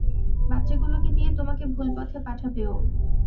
বাচ্চাগুলোকে দিয়ে তোমাকে ভুল পথে পাঠাবে ও।